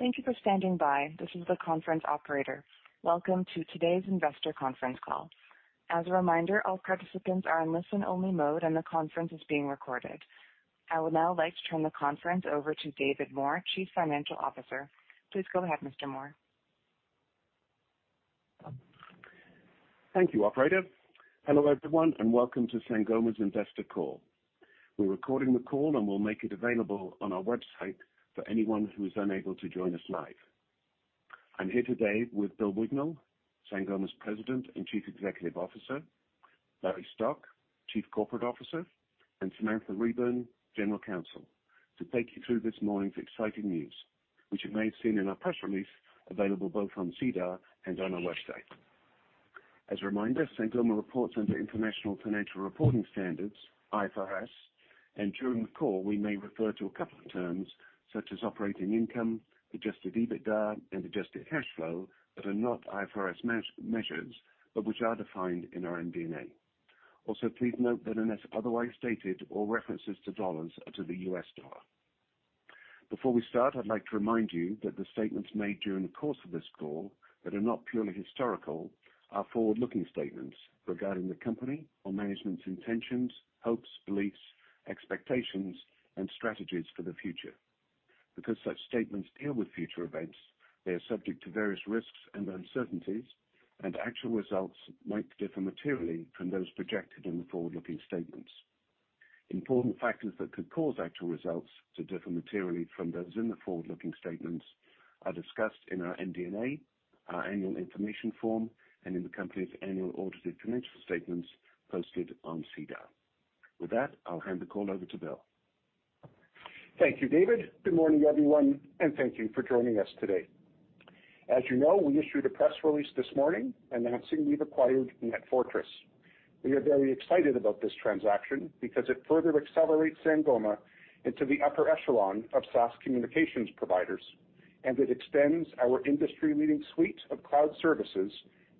Thank you for standing by. This is the conference operator. Welcome to today's investor conference call. As a reminder, all participants are in listen-only mode, and the conference is being recorded. I would now like to turn the conference over to David Moore, Chief Financial Officer. Please go ahead, Mr. Moore. Thank you, operator. Hello, everyone, and welcome to Sangoma's investor call. We're recording the call, and we'll make it available on our website for anyone who is unable to join us live. I'm here today with Bill Wignall, Sangoma's President and Chief Executive Officer, Larry Stock, Chief Corporate Officer, and Samantha Reburn, General Counsel, to take you through this morning's exciting news, which you may have seen in our press release available both on SEDAR and on our website. As a reminder, Sangoma reports under International Financial Reporting Standards, IFRS, and during the call we may refer to a couple of terms such as operating income, adjusted EBITDA, and adjusted cash flow that are not IFRS measures, but which are defined in our MD&A. Also, please note that unless otherwise stated, all references to dollars are to the U.S. dollar. Before we start, I'd like to remind you that the statements made during the course of this call that are not purely historical are forward-looking statements regarding the company or management's intentions, hopes, beliefs, expectations and strategies for the future. Because such statements deal with future events, they are subject to various risks and uncertainties, and actual results might differ materially from those projected in the forward-looking statements. Important factors that could cause actual results to differ materially from those in the forward-looking statements are discussed in our MD&A, our annual information form, and in the company's annual audited financial statements posted on SEDAR. With that, I'll hand the call over to Bill. Thank you, David. Good morning, everyone, and thank you for joining us today. As you know, we issued a press release this morning announcing we've acquired NetFortris. We are very excited about this transaction because it further accelerates Sangoma into the upper echelon of SaaS communications providers, and it extends our industry-leading suite of cloud services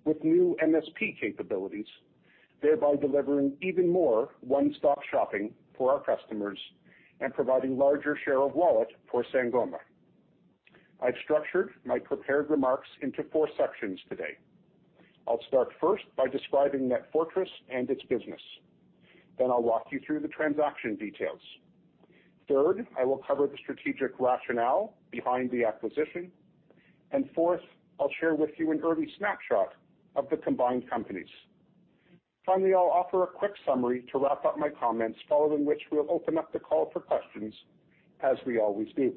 with new MSP capabilities, thereby delivering even more one-stop shopping for our customers and providing larger share of wallet for Sangoma. I've structured my prepared remarks into four sections today. I'll start first by describing NetFortris and its business. I'll walk you through the transaction details. Third, I will cover the strategic rationale behind the acquisition. Fourth, I'll share with you an early snapshot of the combined companies. Finally, I'll offer a quick summary to wrap up my comments, following which we'll open up the call for questions as we always do.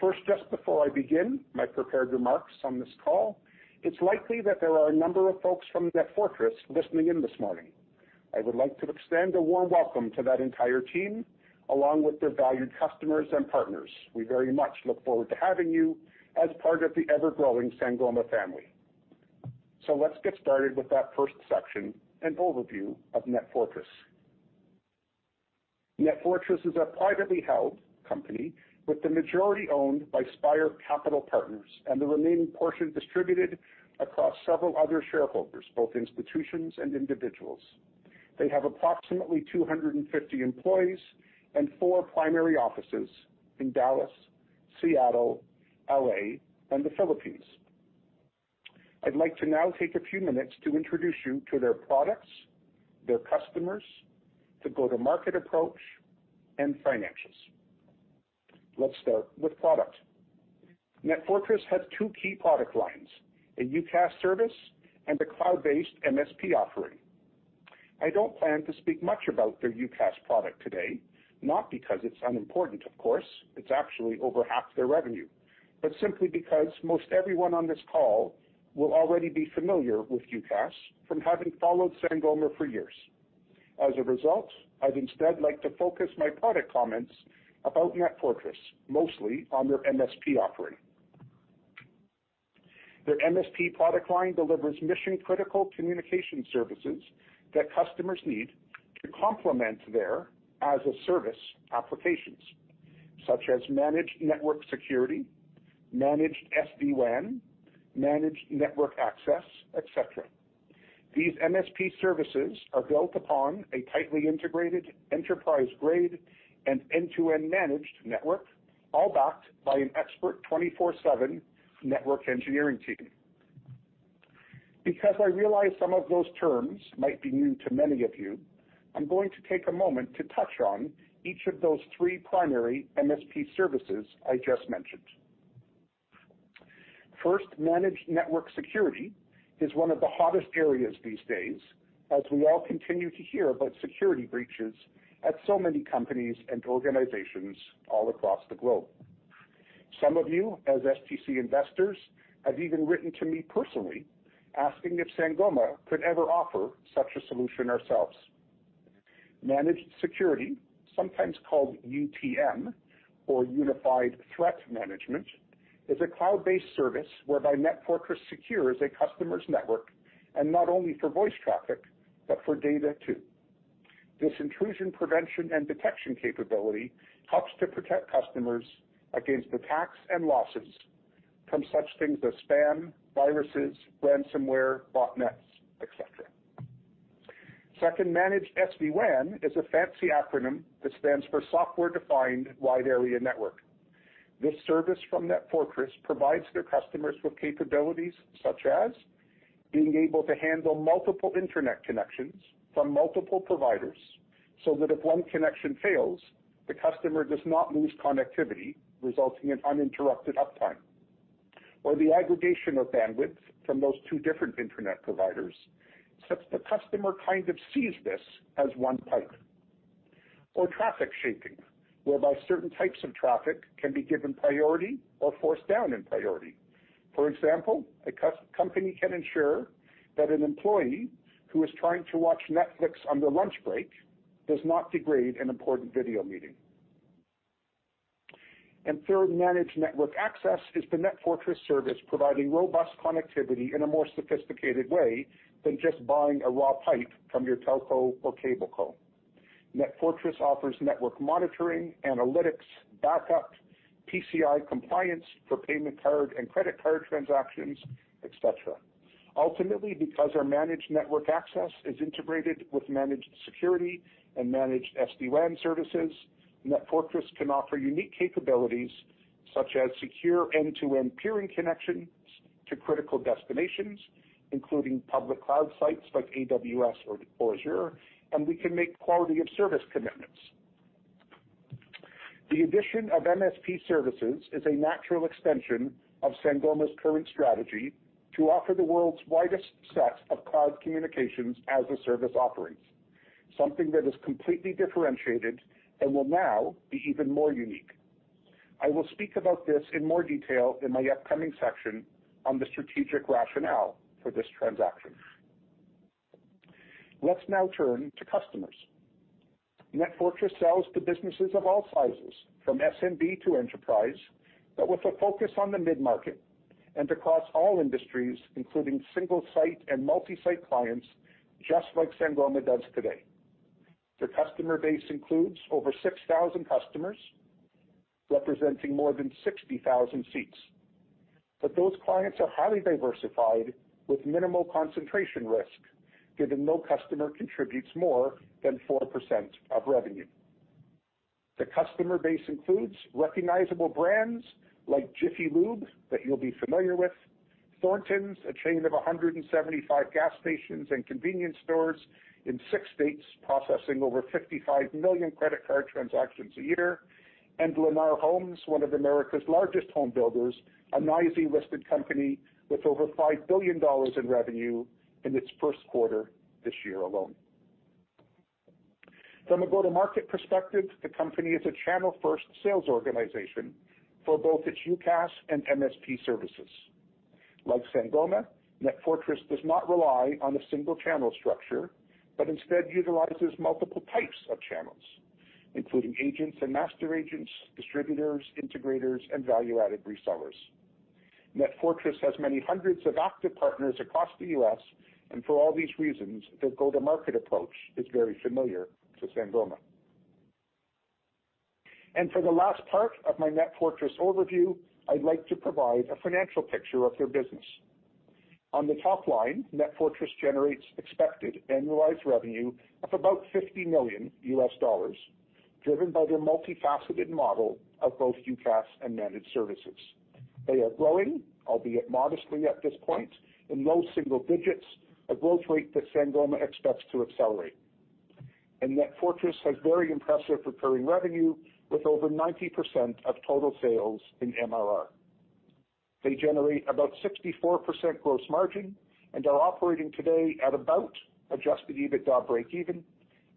First, just before I begin my prepared remarks on this call, it's likely that there are a number of folks from NetFortris listening in this morning. I would like to extend a warm welcome to that entire team, along with their valued customers and partners. We very much look forward to having you as part of the ever-growing Sangoma family. Let's get started with that first section, an overview of NetFortris. NetFortris is a privately held company with the majority owned by Spire Capital Partners and the remaining portion distributed across several other shareholders, both institutions and individuals. They have approximately 250 employees and four primary offices in Dallas, Seattle, L.A., and the Philippines. I'd like to now take a few minutes to introduce you to their products, their customers, the go-to-market approach, and financials. Let's start with product. NetFortris has two key product lines, a UCaaS service and a cloud-based MSP offering. I don't plan to speak much about their UCaaS product today, not because it's unimportant, of course, it's actually over half their revenue, but simply because most everyone on this call will already be familiar with UCaaS from having followed Sangoma for years. As a result, I'd instead like to focus my product comments about NetFortris, mostly on their MSP offering. Their MSP product line delivers mission-critical communication services that customers need to complement their as-a-service applications, such as managed network security, managed SD-WAN, managed network access, et cetera. These MSP services are built upon a tightly integrated enterprise-grade and end-to-end managed network, all backed by an expert 24/7 network engineering team. Because I realize some of those terms might be new to many of you, I'm going to take a moment to touch on each of those three primary MSP services I just mentioned. First, managed network security is one of the hottest areas these days, as we all continue to hear about security breaches at so many companies and organizations all across the globe. Some of you, as STC investors, have even written to me personally asking if Sangoma could ever offer such a solution ourselves. Managed security, sometimes called UTM or unified threat management, is a cloud-based service whereby NetFortris secures a customer's network, and not only for voice traffic, but for data too. This intrusion prevention and detection capability helps to protect customers against attacks and losses from such things as spam, viruses, ransomware, botnets, et cetera. Second, managed SD-WAN is a fancy acronym that stands for Software-Defined Wide Area Network. This service from NetFortris provides their customers with capabilities such as being able to handle multiple internet connections from multiple providers, so that if one connection fails, the customer does not lose connectivity, resulting in uninterrupted uptime. Or the aggregation of bandwidth from those two different internet providers, since the customer kind of sees this as one pipe. Or traffic shaping, whereby certain types of traffic can be given priority or forced down in priority. For example, a company can ensure that an employee who is trying to watch Netflix on their lunch break does not degrade an important video meeting. Third, managed network access is the NetFortris service providing robust connectivity in a more sophisticated way than just buying a raw pipe from your telco or cable co. NetFortris offers network monitoring, analytics, backup, PCI compliance for payment card and credit card transactions, et cetera. Ultimately, because our managed network access is integrated with managed security and managed SD-WAN services, NetFortris can offer unique capabilities such as secure end-to-end peering connections to critical destinations, including public cloud sites like AWS or Azure, and we can make quality of service commitments. The addition of MSP services is a natural extension of Sangoma's current strategy to offer the world's widest set of cloud communications as a service offerings, something that is completely differentiated and will now be even more unique. I will speak about this in more detail in my upcoming section on the strategic rationale for this transaction. Let's now turn to customers. NetFortris sells to businesses of all sizes, from SMB to enterprise, but with a focus on the mid-market and across all industries, including single-site and multi-site clients, just like Sangoma does today. Their customer base includes over 6,000 customers, representing more than 60,000 seats. Those clients are highly diversified with minimal concentration risk, given no customer contributes more than 4% of revenue. The customer base includes recognizable brands like Jiffy Lube that you'll be familiar with, Thorntons, a chain of 175 gas stations and convenience stores in six states, processing over 55 million credit card transactions a year. Lennar Corporation, one of America's largest home builders, a NYSE-listed company with over $5 billion in revenue in its first quarter this year alone. From a go-to-market perspective, the company is a channel-first sales organization for both its UCaaS and MSP services. Like Sangoma, NetFortris does not rely on a single channel structure, but instead utilizes multiple types of channels, including agents and master agents, distributors, integrators, and value-added resellers. NetFortris has many hundreds of active partners across the U.S., and for all these reasons, their go-to-market approach is very familiar to Sangoma. For the last part of my NetFortris overview, I'd like to provide a financial picture of their business. On the top line, NetFortris generates expected annualized revenue of about $50 million, driven by their multifaceted model of both UCaaS and managed services. They are growing, albeit modestly at this point, in low single digits, a growth rate that Sangoma expects to accelerate. NetFortris has very impressive recurring revenue, with over 90% of total sales in MRR. They generate about 64% gross margin and are operating today at about adjusted EBITDA breakeven,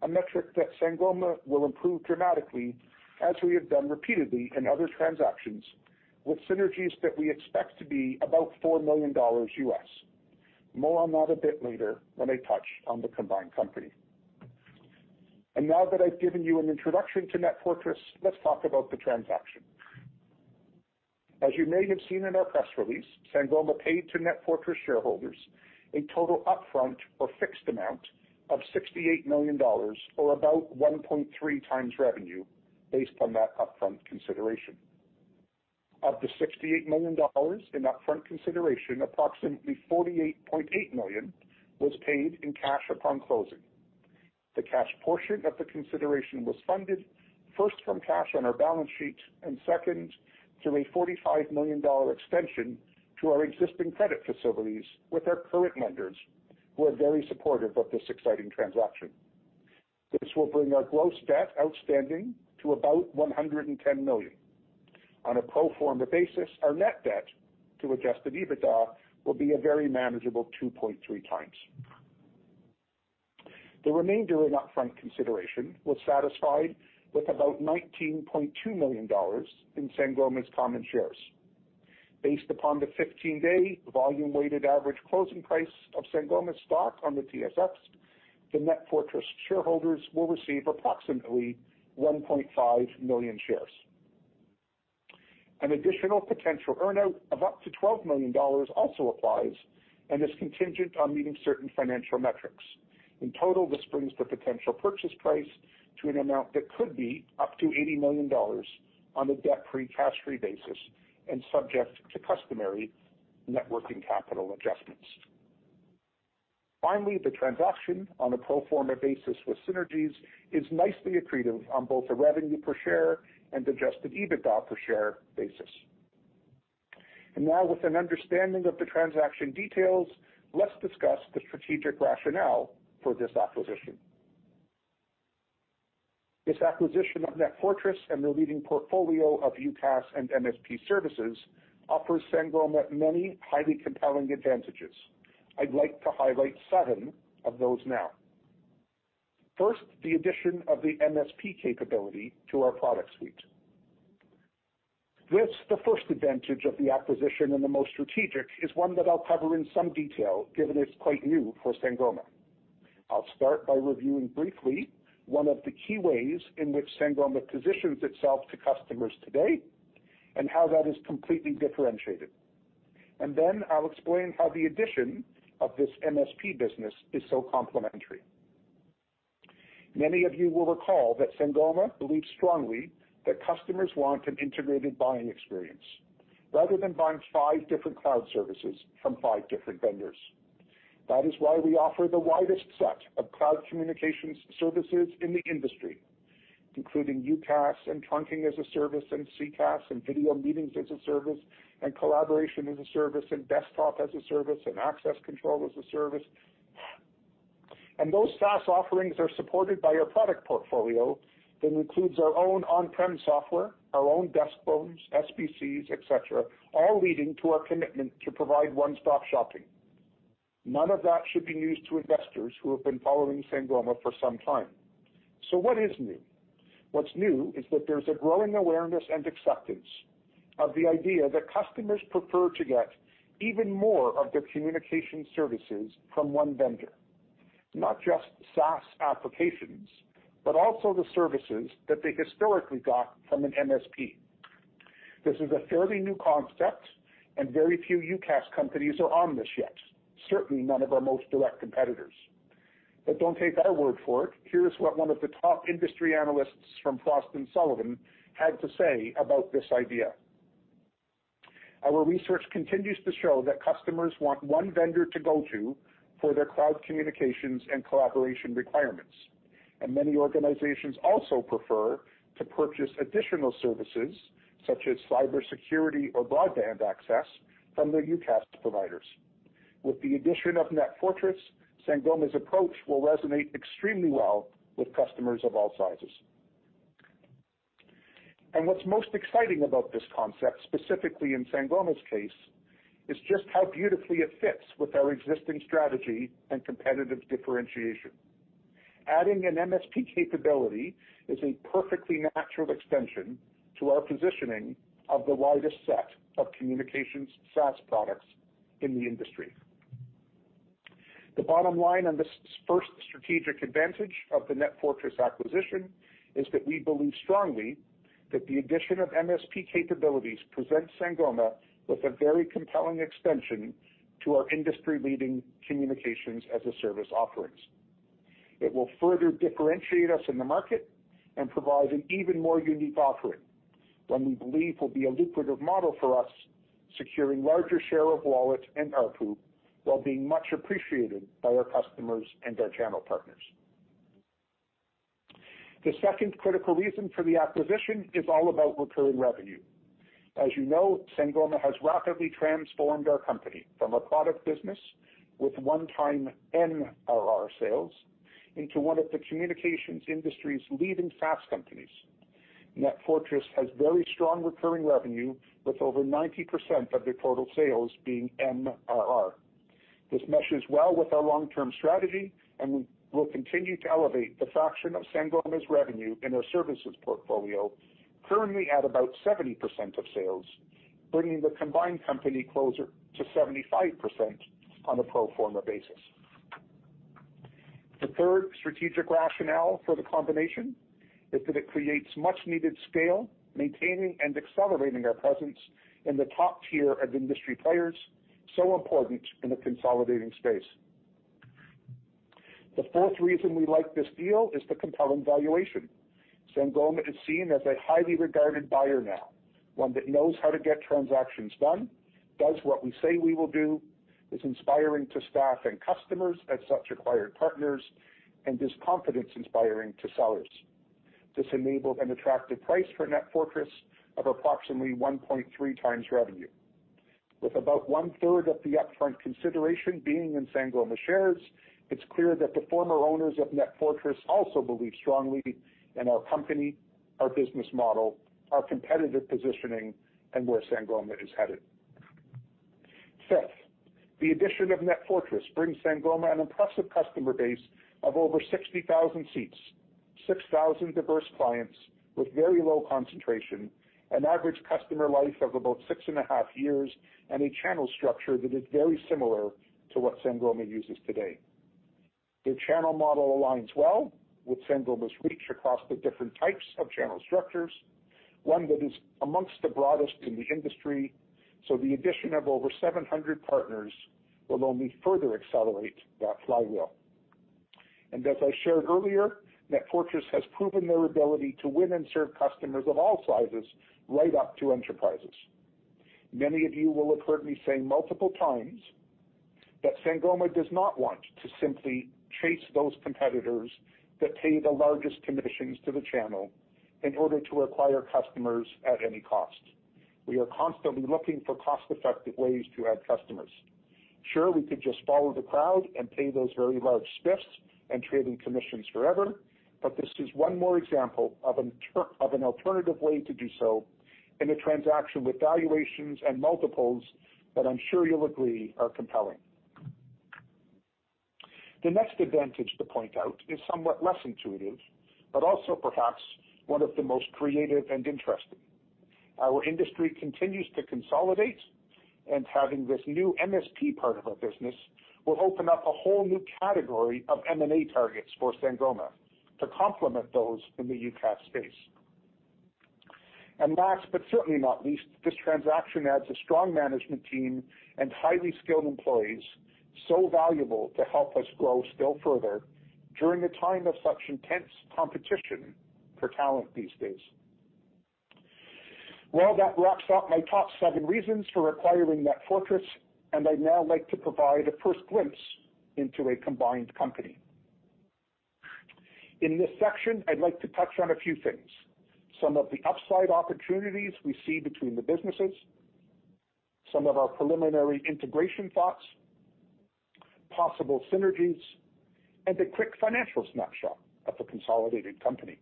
a metric that Sangoma will improve dramatically, as we have done repeatedly in other transactions, with synergies that we expect to be about $4 million. More on that a bit later when I touch on the combined company. Now that I've given you an introduction to NetFortris, let's talk about the transaction. As you may have seen in our press release, Sangoma paid to NetFortris shareholders a total upfront or fixed amount of $68 million or about 1.3x revenue based on that upfront consideration. Of the $68 million in upfront consideration, approximately $48.8 million was paid in cash upon closing. The cash portion of the consideration was funded first from cash on our balance sheet and second through a $45 million extension to our existing credit facilities with our current lenders, who are very supportive of this exciting transaction. This will bring our gross debt outstanding to about $110 million. On a pro forma basis, our net debt to adjusted EBITDA will be a very manageable 2.3x. The remainder in upfront consideration was satisfied with about $19.2 million in Sangoma's common shares. Based upon the 15-day volume-weighted average closing price of Sangoma stock on the TSX, the NetFortris shareholders will receive approximately 1.5 million shares. An additional potential earn-out of up to $12 million also applies and is contingent on meeting certain financial metrics. In total, this brings the potential purchase price to an amount that could be up to $80 million on a debt-free, cash-free basis and subject to customary net working capital adjustments. Finally, the transaction on a pro forma basis with synergies is nicely accretive on both the revenue per share and adjusted EBITDA per share basis. Now with an understanding of the transaction details, let's discuss the strategic rationale for this acquisition. This acquisition of NetFortris and their leading portfolio of UCaaS and MSP services offers Sangoma many highly compelling advantages. I'd like to highlight seven of those now. First, the addition of the MSP capability to our product suite. This, the first advantage of the acquisition and the most strategic, is one that I'll cover in some detail, given it's quite new for Sangoma. I'll start by reviewing briefly one of the key ways in which Sangoma positions itself to customers today and how that is completely differentiated. Then I'll explain how the addition of this MSP business is so complementary. Many of you will recall that Sangoma believes strongly that customers want an integrated buying experience rather than buying five different cloud services from five different vendors. That is why we offer the widest set of cloud communications services in the industry, including UCaaS and trunking-as-a-service and CCaaS and video meetings-as-a-service and collaboration-as-a-service and desktop-as-a-service and access control-as-a-service. Those SaaS offerings are supported by our product portfolio that includes our own on-prem software, our own desk phones, SBCs, et cetera, all leading to our commitment to provide one-stop shopping. None of that should be news to investors who have been following Sangoma for some time. What is new? What's new is that there's a growing awareness and acceptance of the idea that customers prefer to get even more of their communication services from one vendor. Not just SaaS applications, but also the services that they historically got from an MSP. This is a fairly new concept, and very few UCaaS companies are on this yet, certainly none of our most direct competitors. Don't take our word for it. Here's what one of the top industry analysts from Frost & Sullivan had to say about this idea. "Our research continues to show that customers want one vendor to go to for their cloud communications and collaboration requirements, and many organizations also prefer to purchase additional services such as cybersecurity or broadband access from their UCaaS providers. With the addition of NetFortris, Sangoma's approach will resonate extremely well with customers of all sizes." What's most exciting about this concept, specifically in Sangoma's case, is just how beautifully it fits with our existing strategy and competitive differentiation. Adding an MSP capability is a perfectly natural extension to our positioning of the widest set of communications SaaS products in the industry. The bottom line on this first strategic advantage of the NetFortris acquisition is that we believe strongly that the addition of MSP capabilities presents Sangoma with a very compelling extension to our industry-leading communications-as-a-service offerings. It will further differentiate us in the market and provide an even more unique offering, one we believe will be a lucrative model for us, securing larger share of wallet and ARPU, while being much appreciated by our customers and our channel partners. The second critical reason for the acquisition is all about recurring revenue. As you know, Sangoma has rapidly transformed our company from a product business with one-time MRR sales into one of the communications industry's leading SaaS companies. NetFortris has very strong recurring revenue, with over 90% of their total sales being MRR. This meshes well with our long-term strategy, and we will continue to elevate the fraction of Sangoma's revenue in our services portfolio, currently at about 70% of sales, bringing the combined company closer to 75% on a pro forma basis. The third strategic rationale for the combination is that it creates much-needed scale, maintaining and accelerating our presence in the top tier of industry players, so important in a consolidating space. The fourth reason we like this deal is the compelling valuation. Sangoma is seen as a highly regarded buyer now, one that knows how to get transactions done, does what we say we will do, is inspiring to staff and customers, as such acquired partners, and is confidence-inspiring to sellers. This enabled an attractive price for NetFortris of approximately 1.3x revenue. With about 1/3 of the upfront consideration being in Sangoma shares, it's clear that the former owners of NetFortris also believe strongly in our company, our business model, our competitive positioning, and where Sangoma is headed. Fifth, the addition of NetFortris brings Sangoma an impressive customer base of over 60,000 seats, 6,000 diverse clients with very low concentration, an average customer life of about 6.5 years, and a channel structure that is very similar to what Sangoma uses today. Their channel model aligns well with Sangoma's reach across the different types of channel structures, one that is among the broadest in the industry, so the addition of over 700 partners will only further accelerate that flywheel. As I shared earlier, NetFortris has proven their ability to win and serve customers of all sizes right up to enterprises. Many of you will have heard me say multiple times that Sangoma does not want to simply chase those competitors that pay the largest commissions to the channel in order to acquire customers at any cost. We are constantly looking for cost-effective ways to add customers. Sure, we could just follow the crowd and pay those very large spiffs and trading commissions forever, but this is one more example of an alternative way to do so in a transaction with valuations and multiples that I'm sure you'll agree are compelling. The next advantage to point out is somewhat less intuitive, but also perhaps one of the most creative and interesting. Our industry continues to consolidate, and having this new MSP part of our business will open up a whole new category of M&A targets for Sangoma to complement those in the UCaaS space. Last but certainly not least, this transaction adds a strong management team and highly skilled employees so valuable to help us grow still further during a time of such intense competition for talent these days. Well, that wraps up my top seven reasons for acquiring NetFortris, and I'd now like to provide a first glimpse into a combined company. In this section, I'd like to touch on a few things, some of the upside opportunities we see between the businesses, some of our preliminary integration thoughts, possible synergies, and a quick financial snapshot of the consolidated company.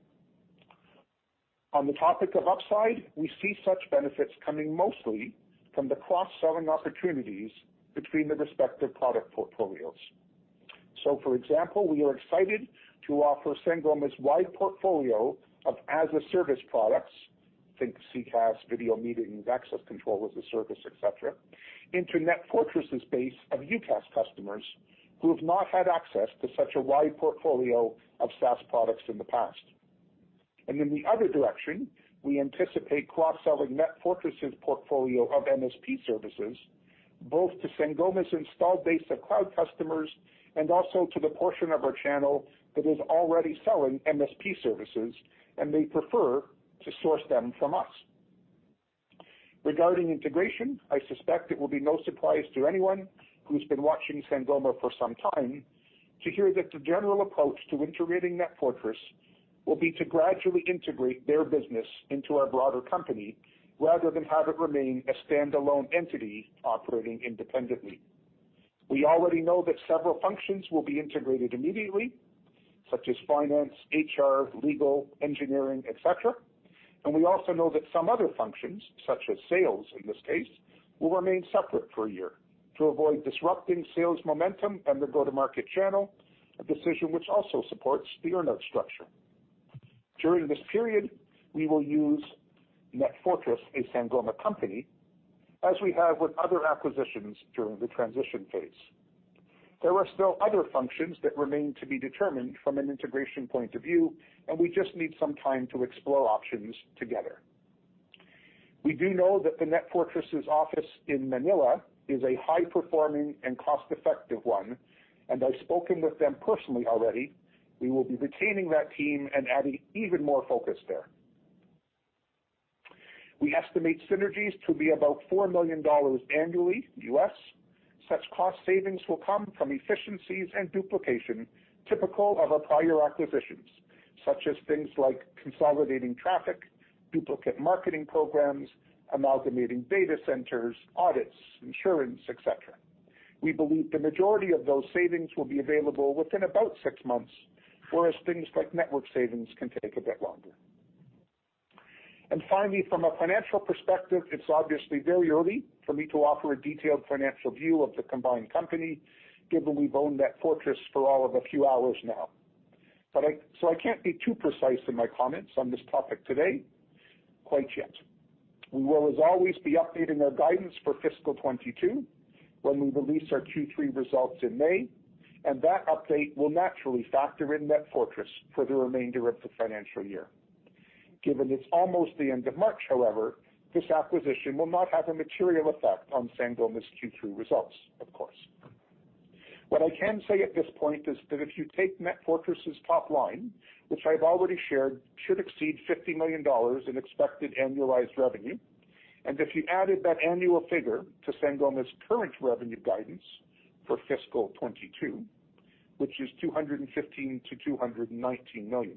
On the topic of upside, we see such benefits coming mostly from the cross-selling opportunities between the respective product portfolios. For example, we are excited to offer Sangoma's wide portfolio of as a service products, think CCaaS, video meetings, access control as a service, et cetera, into NetFortris' base of UCaaS customers who have not had access to such a wide portfolio of SaaS products in the past. In the other direction, we anticipate cross-selling NetFortris' portfolio of MSP services, both to Sangoma's installed base of cloud customers and also to the portion of our channel that is already selling MSP services and may prefer to source them from us. Regarding integration, I suspect it will be no surprise to anyone who's been watching Sangoma for some time to hear that the general approach to integrating NetFortris will be to gradually integrate their business into our broader company rather than have it remain a standalone entity operating independently. We already know that several functions will be integrated immediately, such as finance, HR, legal, engineering, et cetera, and we also know that some other functions, such as sales in this case, will remain separate for a year to avoid disrupting sales momentum and the go-to-market channel, a decision which also supports the earn-out structure. During this period, we will use NetFortris, a Sangoma company, as we have with other acquisitions during the transition phase. There are still other functions that remain to be determined from an integration point of view, and we just need some time to explore options together. We do know that the NetFortris' office in Manila is a high-performing and cost-effective one, and I've spoken with them personally already. We will be retaining that team and adding even more focus there. We estimate synergies to be about $4 million annually. Such cost savings will come from efficiencies and duplication typical of our prior acquisitions, such as things like consolidating traffic, duplicate marketing programs, amalgamating data centers, audits, insurance, et cetera. We believe the majority of those savings will be available within about six months, whereas things like network savings can take a bit longer. Finally, from a financial perspective, it's obviously very early for me to offer a detailed financial view of the combined company, given we've owned NetFortris for all of a few hours now. So I can't be too precise in my comments on this topic today quite yet. We will, as always, be updating our guidance for fiscal 2022 when we release our Q3 results in May, and that update will naturally factor in NetFortris for the remainder of the financial year. Given it's almost the end of March, however, this acquisition will not have a material effect on Sangoma's Q3 results, of course. What I can say at this point is that if you take NetFortris' top line, which I've already shared should exceed $50 million in expected annualized revenue, and if you added that annual figure to Sangoma's current revenue guidance for fiscal 2022, which is $215 million-$219 million,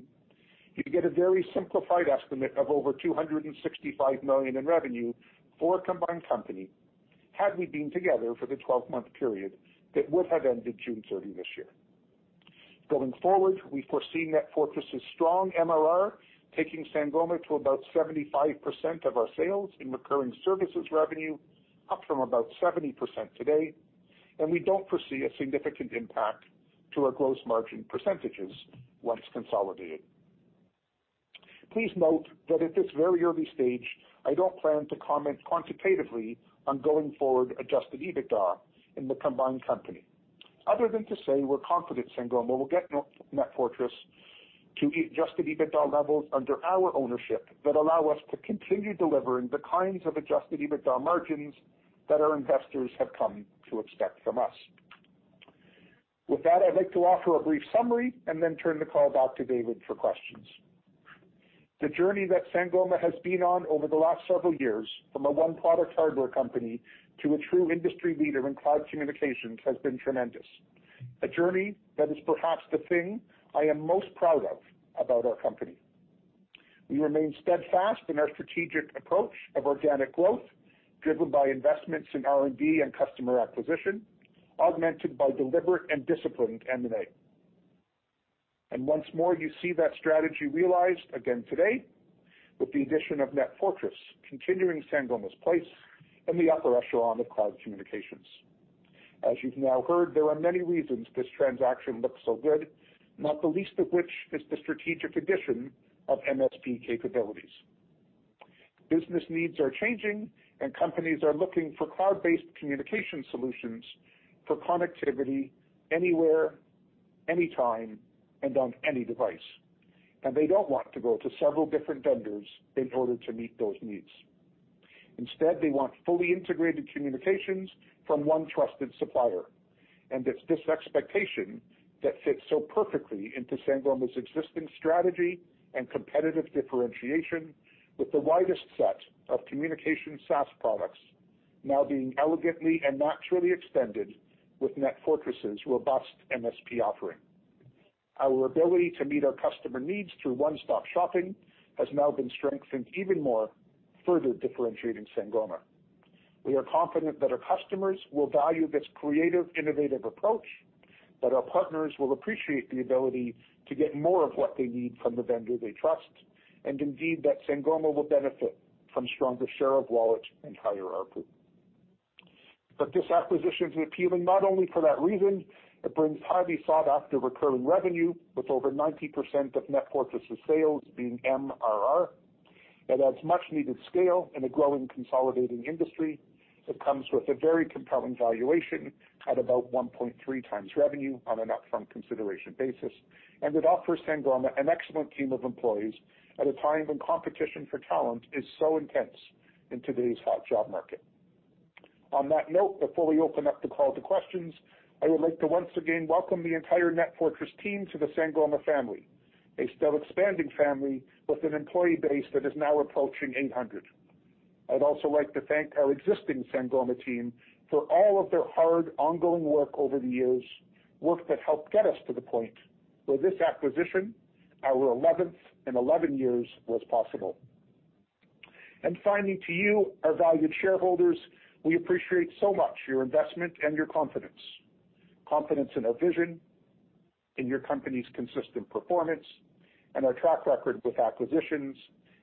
you get a very simplified estimate of over $265 million in revenue for a combined company had we been together for the 12-month period that would have ended June 30 this year. Going forward, we foresee NetFortris' strong MRR taking Sangoma to about 75% of our sales in recurring services revenue, up from about 70% today, and we don't foresee a significant impact to our gross margin percentages once consolidated. Please note that at this very early stage, I don't plan to comment quantitatively on going forward adjusted EBITDA in the combined company, other than to say we're confident Sangoma will get NetFortris to adjusted EBITDA levels under our ownership that allow us to continue delivering the kinds of adjusted EBITDA margins that our investors have come to expect from us. With that, I'd like to offer a brief summary and then turn the call back to David for questions. The journey that Sangoma has been on over the last several years from a one-product hardware company to a true industry leader in cloud communications has been tremendous. A journey that is perhaps the thing I am most proud of about our company. We remain steadfast in our strategic approach of organic growth, driven by investments in R&D and customer acquisition, augmented by deliberate and disciplined M&A. Once more, you see that strategy realized again today with the addition of NetFortris, continuing Sangoma's place in the upper echelon of cloud communications. As you've now heard, there are many reasons this transaction looks so good, not the least of which is the strategic addition of MSP capabilities. Business needs are changing, and companies are looking for cloud-based communication solutions for connectivity anywhere, anytime, and on any device. They don't want to go to several different vendors in order to meet those needs. Instead, they want fully integrated communications from one trusted supplier. It's this expectation that fits so perfectly into Sangoma's existing strategy and competitive differentiation with the widest set of communication SaaS products now being elegantly and naturally extended with NetFortris' robust MSP offering. Our ability to meet our customer needs through one-stop shopping has now been strengthened even more, further differentiating Sangoma. We are confident that our customers will value this creative, innovative approach, that our partners will appreciate the ability to get more of what they need from the vendor they trust, and indeed, that Sangoma will benefit from stronger share of wallet and higher ARPU. This acquisition is appealing not only for that reason. It brings highly sought-after recurring revenue, with over 90% of NetFortris' sales being MRR. It adds much-needed scale in a growing, consolidating industry that comes with a very compelling valuation at about 1.3x revenue on an upfront consideration basis. It offers Sangoma an excellent team of employees at a time when competition for talent is so intense in today's hot job market. On that note, before we open up the call to questions, I would like to once again welcome the entire NetFortris team to the Sangoma family, a still-expanding family with an employee base that is now approaching 800. I'd also like to thank our existing Sangoma team for all of their hard, ongoing work over the years, work that helped get us to the point where this acquisition, our 11th in 11 years, was possible. Finally, to you, our valued shareholders, we appreciate so much your investment and your confidence. Confidence in our vision, in your company's consistent performance, and our track record with acquisitions,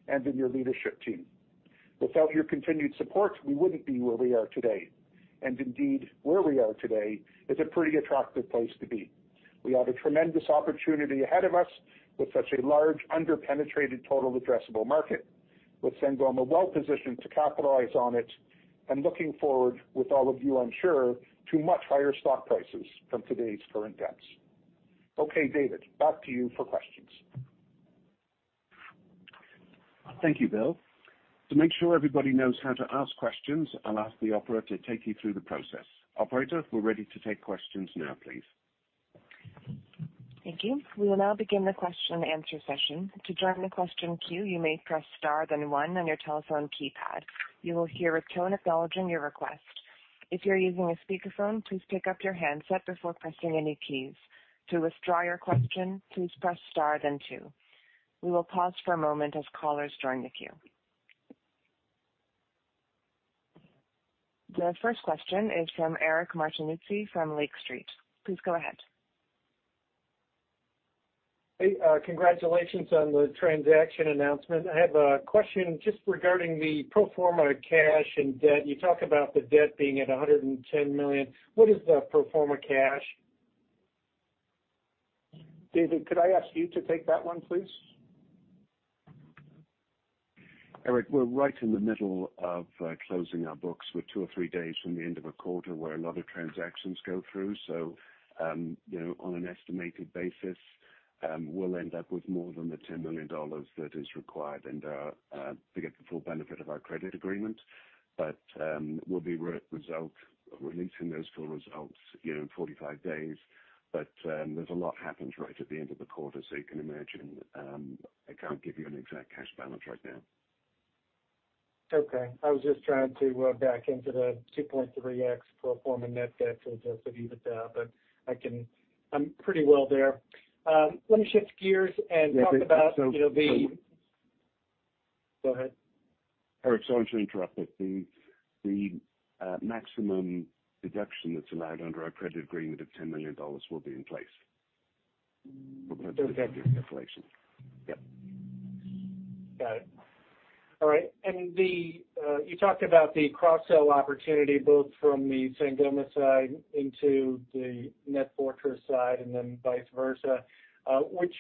and in your leadership team. Without your continued support, we wouldn't be where we are today. Indeed, where we are today is a pretty attractive place to be. We have a tremendous opportunity ahead of us with such a large, under-penetrated total addressable market, with Sangoma well-positioned to capitalize on it, and looking forward with all of you, I'm sure, to much higher stock prices from today's current depths. Okay, David, back to you for questions. Thank you, Bill. To make sure everybody knows how to ask questions, I'll ask the operator to take you through the process. Operator, we're ready to take questions now, please. Thank you. We will now begin the question-and-answer session. To join the question queue, you may press star then one on your telephone keypad. You will hear a tone acknowledging your request. If you're using a speakerphone, please pick up your handset before pressing any keys. To withdraw your question, please press star then two. We will pause for a moment as callers join the queue. The first question is from Eric Martinuzzi from Lake Street. Please go ahead. Hey, congratulations on the transaction announcement. I have a question just regarding the pro forma cash and debt. You talk about the debt being at $110 million. What is the pro forma cash? David, could I ask you to take that one, please? Eric, we're right in the middle of closing our books. We're two or three days from the end of a quarter where a lot of transactions go through. You know, on an estimated basis, we'll end up with more than the $10 million that is required to get the full benefit of our credit agreement. We'll be releasing those full results, you know, in 45 days. There's a lot happens right at the end of the quarter, so you can imagine, I can't give you an exact cash balance right now. Okay. I was just trying to back into the 2.3x pro forma net debt to adjusted EBITDA, but I'm pretty well there. Let me shift gears and talk about, you know, the- Yeah, so- Go ahead. Eric, sorry to interrupt, but the maximum deduction that's allowed under our credit agreement of $10 million will be in place. Okay. Yep. Got it. All right. Then you talked about the cross-sell opportunity, both from the Sangoma side into the NetFortris side and then vice versa.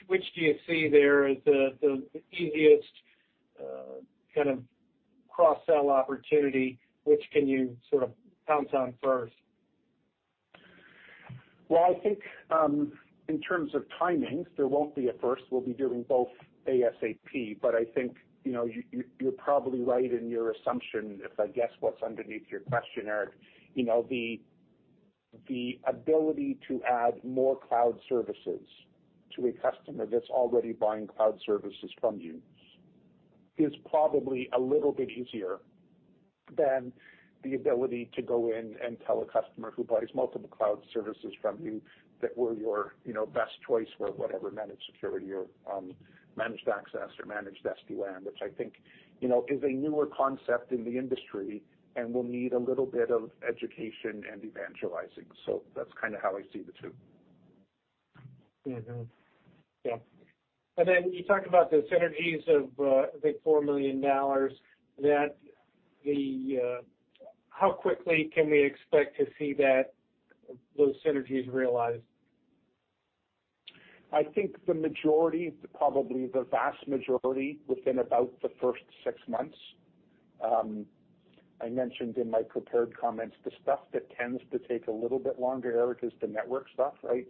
Which do you see there as the easiest kind of cross-sell opportunity? Which can you sort of pounce on first? Well, I think in terms of timing, there won't be at first. We'll be doing both ASAP. I think, you know, you're probably right in your assumption if I guess what's underneath your question, Eric. You know, the ability to add more cloud services to a customer that's already buying cloud services from you is probably a little bit easier than the ability to go in and tell a customer who buys multiple cloud services from you that we're your, you know, best choice for whatever managed security or, managed access or managed SD-WAN, which I think, you know, is a newer concept in the industry and will need a little bit of education and evangelizing. That's kinda how I see the two. You talked about the synergies of $4 million. How quickly can we expect to see those synergies realized? I think the majority, probably the vast majority within about the first six months. I mentioned in my prepared comments the stuff that tends to take a little bit longer, Eric, is the network stuff, right?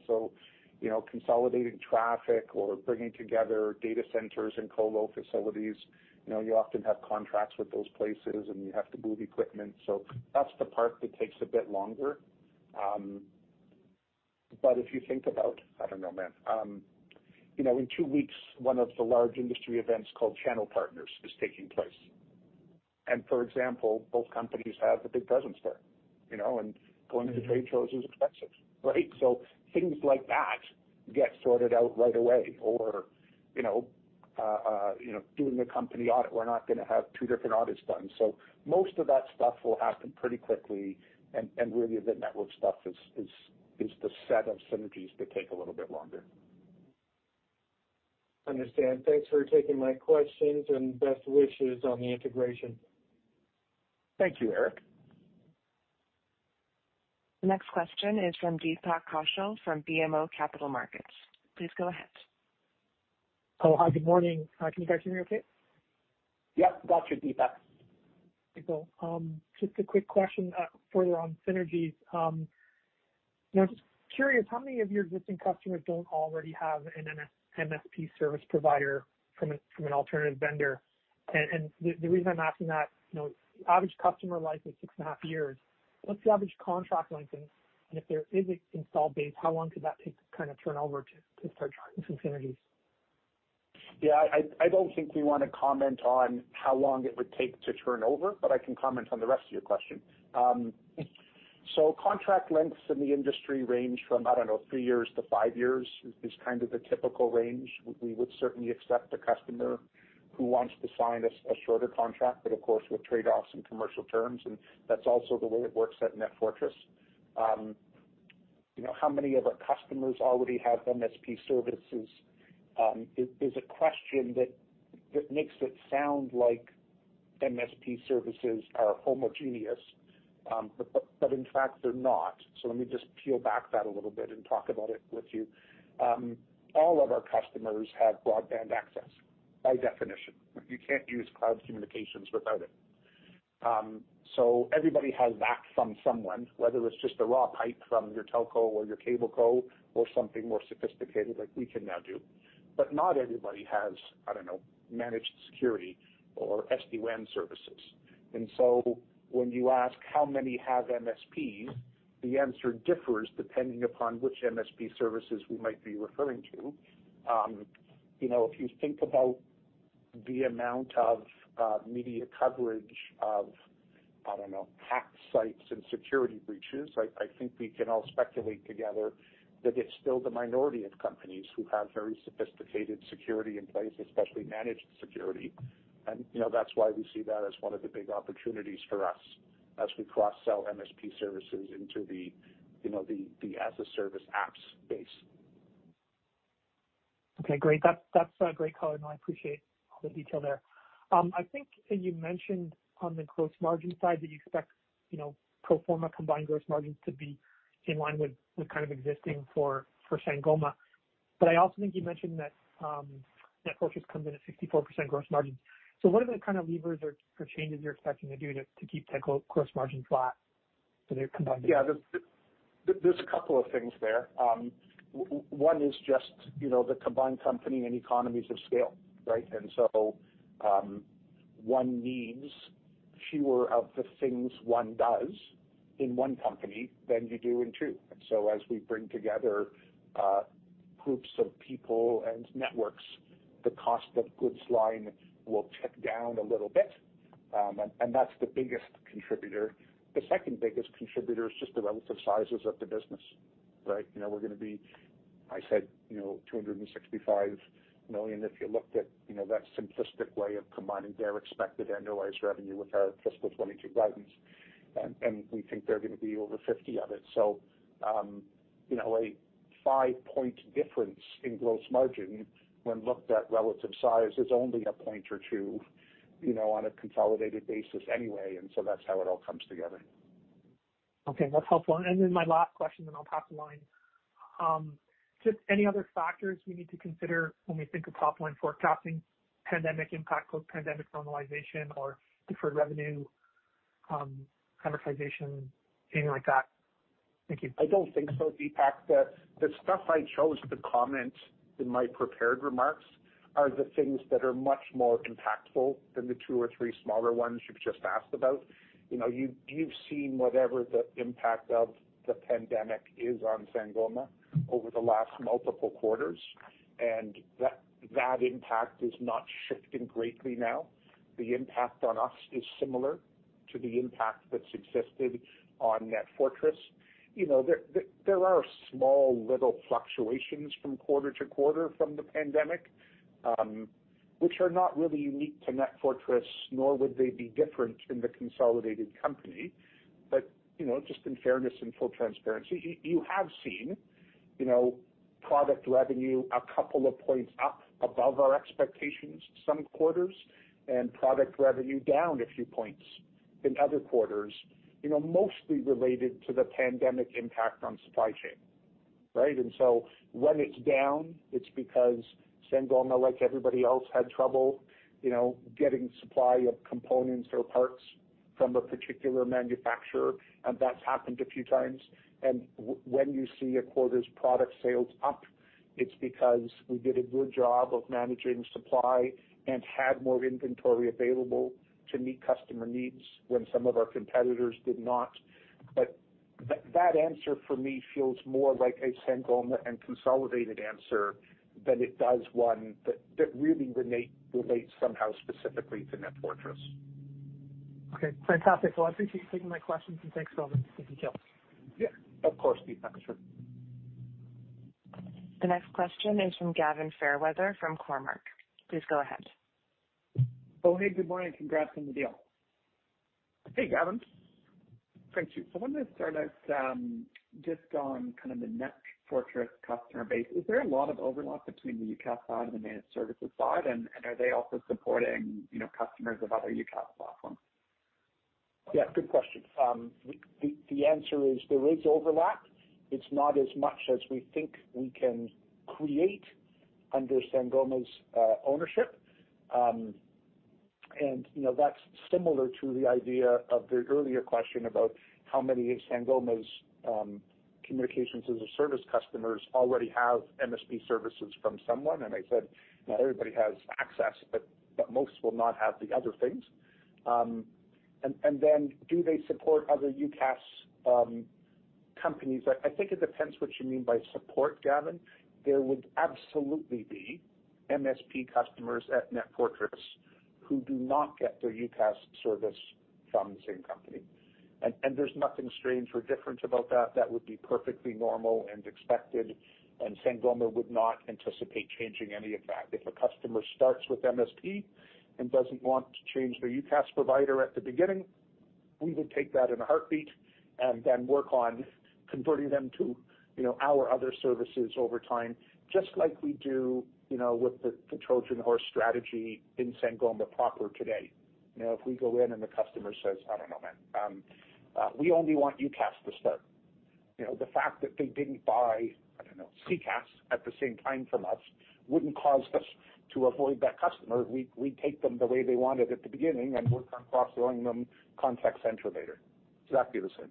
You know, consolidating traffic or bringing together data centers and colo facilities. You know, you often have contracts with those places, and you have to move equipment. That's the part that takes a bit longer. If you think about, I don't know, man, you know, in two weeks, one of the large industry events called Channel Partners is taking place. For example, both companies have a big presence there, you know, and going to the trade shows is expensive, right? Things like that get sorted out right away or, you know, you know, doing a company audit. We're not gonna have two different audits done. Most of that stuff will happen pretty quickly, and really the network stuff is the set of synergies that take a little bit longer. Understood. Thanks for taking my questions and best wishes on the integration. Thank you, Eric. Next question is from Deepak Kaushal from BMO Capital Markets. Please go ahead. Oh, hi, good morning. Can you guys hear me okay? Yep. Got you, Deepak. Cool. Just a quick question further on synergies. You know, just curious, how many of your existing customers don't already have an MSP service provider from an alternative vendor? And the reason I'm asking that, you know, average customer life is six and a half years. What's the average contract length? And if there is an installed base, how long could that take to turn over to start driving some synergies? Yeah, I don't think we wanna comment on how long it would take to turn over, but I can comment on the rest of your question. Contract lengths in the industry range from, I don't know, 3 years-5 years is kind of the typical range. We would certainly accept a customer who wants to sign a shorter contract, but of course, with trade-offs in commercial terms, and that's also the way it works at NetFortris. You know, how many of our customers already have MSP services is a question that makes it sound like MSP services are homogeneous, but in fact they're not. Let me just peel that back a little bit and talk about it with you. All of our customers have broadband access by definition. You can't use cloud communications without it. Everybody has that from someone, whether it's just a raw pipe from your telco or your cable co or something more sophisticated like we can now do. Not everybody has, I don't know, managed security or SD-WAN services. When you ask how many have MSPs, the answer differs depending upon which MSP services we might be referring to. You know, if you think about the amount of media coverage of, I don't know, hack sites and security breaches, I think we can all speculate together that it's still the minority of companies who have very sophisticated security in place, especially managed security. You know, that's why we see that as one of the big opportunities for us as we cross-sell MSP services into the, you know, the as-a-service apps space. Okay, great. That's a great color, and I appreciate all the detail there. I think you mentioned on the gross margin side that you expect, you know, pro forma combined gross margins to be in line with kind of existing for Sangoma. But I also think you mentioned that NetFortris comes in at 64% gross margins. So what are the kind of levers or changes you're expecting to do to keep tech gross margins flat for their combined- Yeah. There's a couple of things there. One is just, you know, the combined company and economies of scale, right? One needs fewer of the things one does in one company than you do in two. As we bring together groups of people and networks, the cost of goods line will tick down a little bit. That's the biggest contributor. The second biggest contributor is just the relative sizes of the business, right? You know, we're gonna be, I said, you know, $265 million if you looked at, you know, that simplistic way of combining their expected annualized revenue with our fiscal 2022 guidance. We think they're gonna be over $50 million of it. you know, a 5-point difference in gross margin when looked at relative size is only a point or two, you know, on a consolidated basis anyway. That's how it all comes together. Okay, that's helpful. My last question, then I'll drop the line. Just any other factors we need to consider when we think of top-line forecasting, pandemic impact or pandemic normalization or deferred revenue, amortization, anything like that? Thank you. I don't think so, Deepak. The stuff I chose to comment in my prepared remarks are the things that are much more impactful than the two or three smaller ones you've just asked about. You know, you've seen whatever the impact of the pandemic is on Sangoma over the last multiple quarters, and that impact is not shifting greatly now. The impact on us is similar to the impact that's existed on NetFortris. You know, there are small little fluctuations from quarter to quarter from the pandemic, which are not really unique to NetFortris, nor would they be different in the consolidated company. You know, just in fairness and full transparency, you have seen, you know, product revenue a couple of points up above our expectations some quarters and product revenue down a few points in other quarters, you know, mostly related to the pandemic impact on supply chain, right? When it's down, it's because Sangoma, like everybody else, had trouble, you know, getting supply of components or parts from a particular manufacturer, and that's happened a few times. When you see a quarter's product sales up, it's because we did a good job of managing supply and had more inventory available to meet customer needs when some of our competitors did not. That answer for me feels more like a Sangoma and consolidated answer than it does one that really relates somehow specifically to NetFortris. Okay, fantastic. Well, I appreciate you taking my questions, and thanks for all the detail. Yeah, of course, Deepak. Sure. The next question is from Gavin Fairweather from Cormark. Please go ahead. Oh, hey, good morning. Congrats on the deal. Hey, Gavin. Thank you. I wanted to start out, just on kind of the NetFortris customer base. Is there a lot of overlap between the UCaaS side and the managed services side? And are they also supporting, you know, customers of other UCaaS platforms? Yeah, good question. The answer is there is overlap. It's not as much as we think we can create under Sangoma's ownership. You know, that's similar to the idea of the earlier question about how many of Sangoma's communications as a service customers already have MSP services from someone. I said, you know, everybody has access, but most will not have the other things. Then do they support other UCaaS companies? I think it depends what you mean by support, Gavin. There would absolutely be MSP customers at NetFortris who do not get their UCaaS service from the same company. There's nothing strange or different about that. That would be perfectly normal and expected, and Sangoma would not anticipate changing any of that. If a customer starts with MSP and doesn't want to change their UCaaS provider at the beginning, we would take that in a heartbeat and then work on converting them to, you know, our other services over time, just like we do, you know, with the Trojan Horse strategy in Sangoma proper today. You know, if we go in and the customer says, "I don't know, man, we only want UCaaS to start." You know, the fact that they didn't buy, I don't know, CCaaS at the same time from us wouldn't cause us to avoid that customer. We'd take them the way they want it at the beginning and work on cross-selling them contact center later. Exactly the same.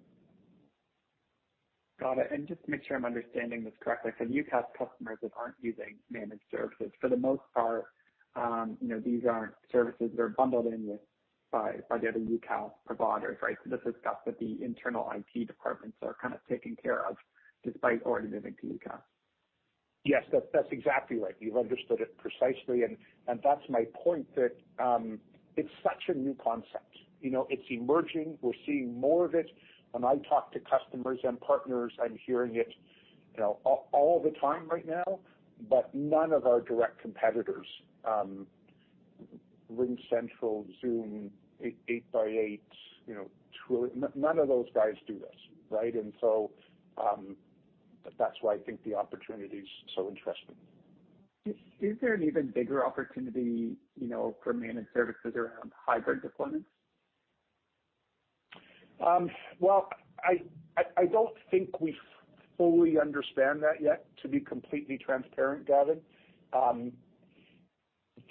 Got it. Just to make sure I'm understanding this correctly, UCaaS customers that aren't using managed services, for the most part, you know, these aren't services that are bundled in with by the other UCaaS providers, right? This is stuff that the internal IT departments are kind of taking care of despite already moving to UCaaS. Yes, that's exactly right. You've understood it precisely, and that's my point that it's such a new concept. You know, it's emerging. We're seeing more of it. When I talk to customers and partners, I'm hearing it, you know, all the time right now. But none of our direct competitors, RingCentral, Zoom, 8x8, you know, Twilio. None of those guys do this, right? That's why I think the opportunity is so interesting. Is there an even bigger opportunity, you know, for managed services around hybrid deployments? Well, I don't think we fully understand that yet, to be completely transparent, Gavin.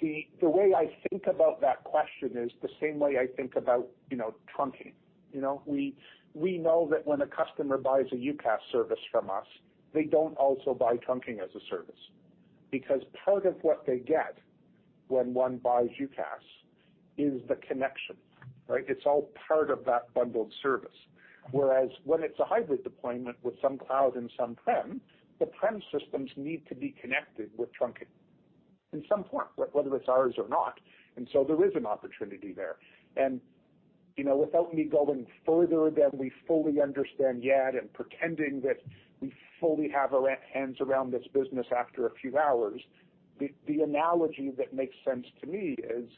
The way I think about that question is the same way I think about, you know, trunking. You know, we know that when a customer buys a UCaaS service from us, they don't also buy trunking as a service because part of what they get when one buys UCaaS is the connection, right? It's all part of that bundled service. Whereas when it's a hybrid deployment with some cloud and some prem, the prem systems need to be connected with trunking in some form, whether it's ours or not. There is an opportunity there. You know, without me going further than we fully understand yet and pretending that we fully have our hands around this business after a few hours, the analogy that makes sense to me is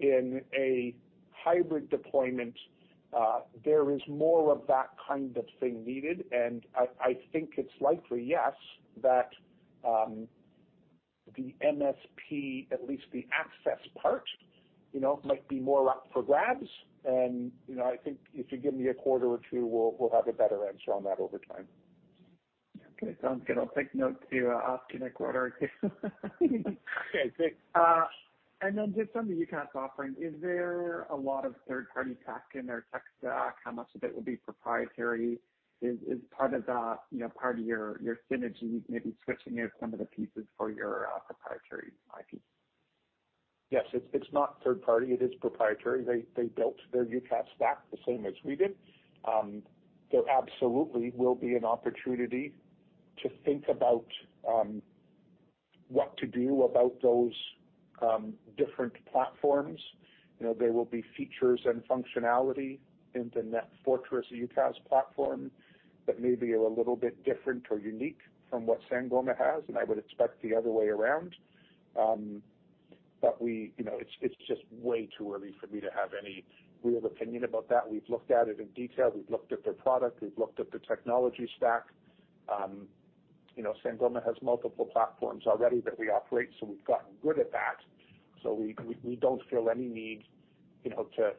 in a hybrid deployment, there is more of that kind of thing needed. I think it's likely, yes, that the MSP, at least the access part, you know, might be more up for grabs. You know, I think if you give me a quarter or two, we'll have a better answer on that over time. Okay. Sounds good. I'll take note to ask you in a quarter or two. Okay, great. Then just on the UCaaS offering, is there a lot of third-party tech in their tech stack? How much of it will be proprietary? Is part of that, you know, part of your synergy, maybe switching out some of the pieces for your proprietary IP? Yes. It's not third party. It is proprietary. They built their UCaaS stack the same as we did. There absolutely will be an opportunity to think about what to do about those different platforms. You know, there will be features and functionality in the NetFortris UCaaS platform that may be a little bit different or unique from what Sangoma has, and I would expect the other way around. But we, you know, it's just way too early for me to have any real opinion about that. We've looked at it in detail. We've looked at their product. We've looked at their technology stack. You know, Sangoma has multiple platforms already that we operate, so we've gotten good at that. So we don't feel any need, you know, to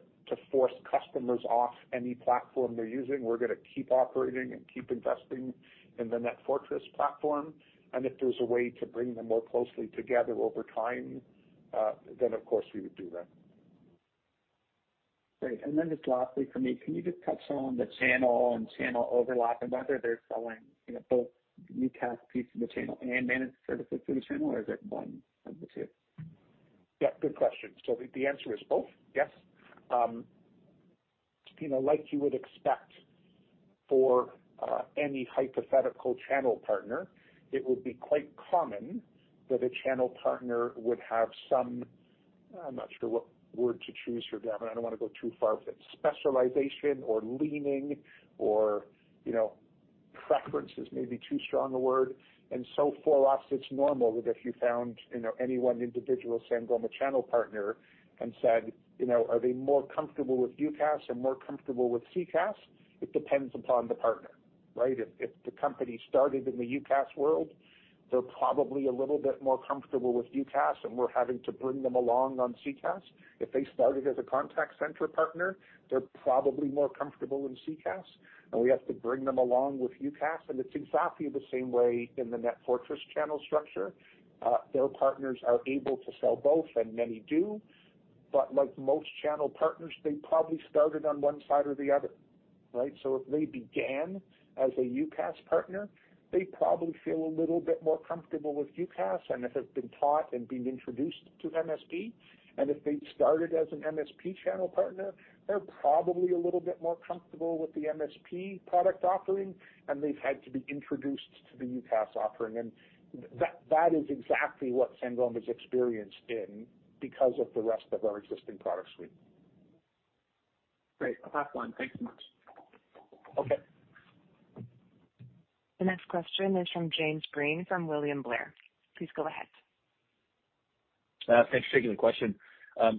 force customers off any platform they're using. We're gonna keep operating and keep investing in the NetFortris platform. If there's a way to bring them more closely together over time, then of course we would do that. Great. Just lastly for me, can you just touch on the channel and channel overlap and whether they're selling, you know, both UCaaS piece of the channel and managed services through the channel or is it one of the two? Yeah, good question. The answer is both, yes. You know, like you would expect for any hypothetical channel partner, it would be quite common that a channel partner would have some. I'm not sure what word to choose for Gavin. I don't wanna go too far with it. Specialization or leaning or, you know, preference is maybe too strong a word. For us it's normal that if you found, you know, any one individual Sangoma channel partner and said, you know, are they more comfortable with UCaaS and more comfortable with CCaaS? It depends upon the partner, right? If the company started in the UCaaS world, they're probably a little bit more comfortable with UCaaS, and we're having to bring them along on CCaaS. If they started as a contact center partner, they're probably more comfortable in CCaaS, and we have to bring them along with UCaaS. It's exactly the same way in the NetFortris channel structure. Their partners are able to sell both and many do, but like most channel partners, they probably started on one side or the other, right? If they began as a UCaaS partner, they probably feel a little bit more comfortable with UCaaS and have been taught and been introduced to MSP. If they started as an MSP channel partner, they're probably a little bit more comfortable with the MSP product offering, and they've had to be introduced to the UCaaS offering. That is exactly what Sangoma's experienced in because of the rest of our existing product suite. Great. Last one. Thank you much. Okay. The next question is from James Green from William Blair. Please go ahead. Thanks for taking the question.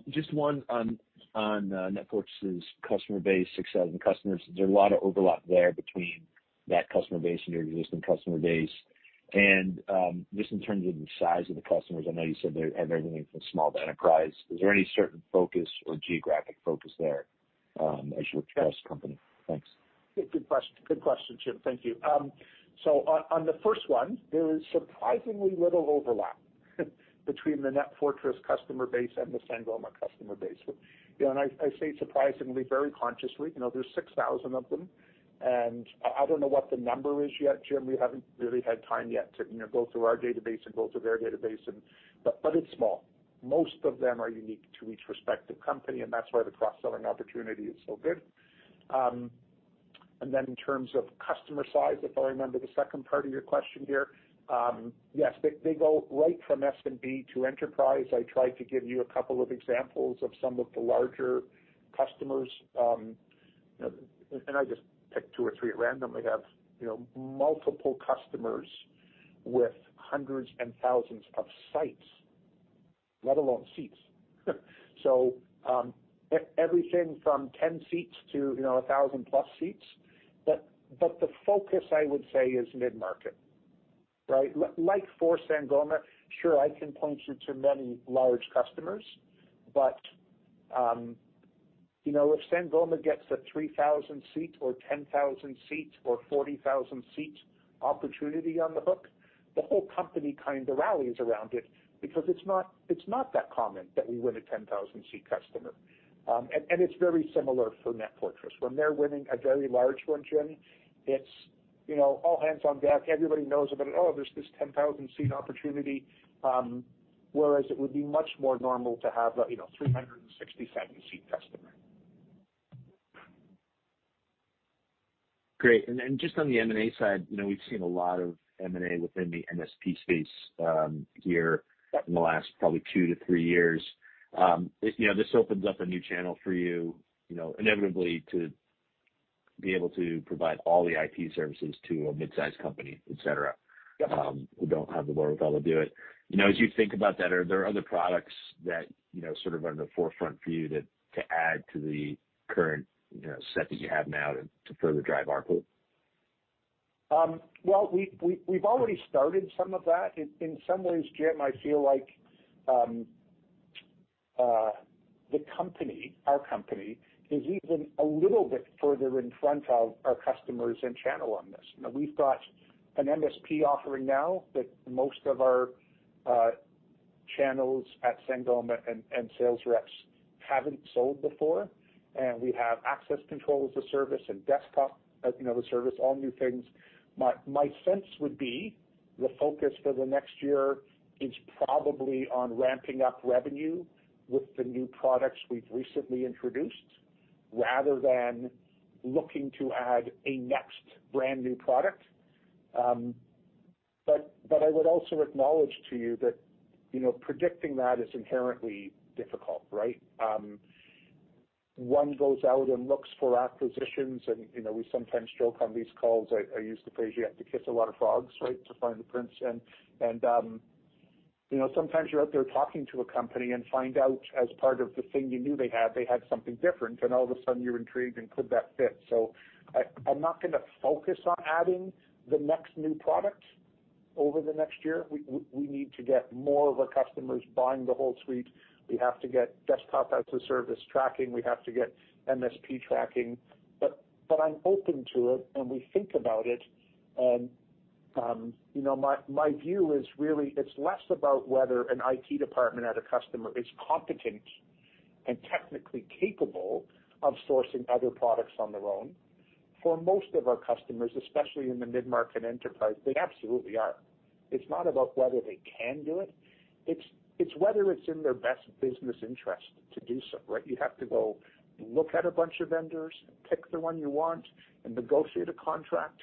Just one on NetFortris' customer base, 6,000 customers. Is there a lot of overlap there between that customer base and your existing customer base? Just in terms of the size of the customers, I know you said they have everything from small to enterprise. Is there any certain focus or geographic focus there, as you approach the company? Thanks. Good question. Good question, Jim. Thank you. So on the first one, there is surprisingly little overlap between the NetFortris customer base and the Sangoma customer base. You know, and I say surprisingly very consciously, you know, there's 6,000 of them, and I don't know what the number is yet, Jim. We haven't really had time yet to go through our database and go through their database. But it's small. Most of them are unique to each respective company, and that's why the cross-selling opportunity is so good. Then in terms of customer size, if I remember the second part of your question here, yes, they go right from SMB to enterprise. I tried to give you a couple of examples of some of the larger customers. I just picked two or three at random. They have multiple customers with hundreds and thousands of sites, let alone seats. Everything from 10 seats to 1,000+ seats. The focus I would say is mid-market, right? Like for Sangoma, sure, I can point you to many large customers, but you know, if Sangoma gets a 3,000-seat or 10,000-seat or 40,000-seat opportunity on the hook, the whole company kind of rallies around it because it's not that common that we win a 10,000-seat customer. It's very similar for NetFortris. When they're winning a very large one, Jim, it's you know, all hands on deck. Everybody knows about it. Oh, there's this 10,000 seat opportunity." Whereas it would be much more normal to have a, you know, 367 seat customer. Great. Just on the M&A side, you know, we've seen a lot of M&A within the MSP space here in the last probably 2-3 years. You know, this opens up a new channel for you know, inevitably to be able to provide all the IT services to a mid-sized company, et cetera. Yeah. Who don't have the wherewithal to do it. You know, as you think about that, are there other products that, you know, sort of are in the forefront for you to add to the current, you know, set that you have now to further drive ARPU? Well, we've already started some of that. In some ways, Jim, I feel like the company, our company, is even a little bit further in front of our customers and channel on this. Now, we've got an MSP offering now that most of our channels at Sangoma and sales reps haven't sold before. We have access control as a service and desktop as a service, all new things. My sense would be the focus for the next year is probably on ramping up revenue with the new products we've recently introduced, rather than looking to add a next brand new product. But I would also acknowledge to you that predicting that is inherently difficult, right? One goes out and looks for acquisitions and we sometimes joke on these calls. I use the phrase, you have to kiss a lot of frogs, right? To find the prince. You know, sometimes you're out there talking to a company and find out as part of the thing you knew they had something different. All of a sudden you're intrigued and could that fit? I'm not gonna focus on adding the next new product over the next year. We need to get more of our customers buying the whole suite. We have to get desktop as a service tracking. We have to get MSP tracking. I'm open to it, and we think about it. You know, my view is really it's less about whether an IT department at a customer is competent and technically capable of sourcing other products on their own. For most of our customers, especially in the mid-market enterprise, they absolutely are. It's not about whether they can do it's whether it's in their best business interest to do so, right? You have to go look at a bunch of vendors and pick the one you want and negotiate a contract